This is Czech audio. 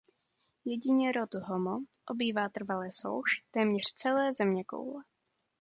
Jedině rod "Homo" obývá trvale souš téměř celé zeměkoule.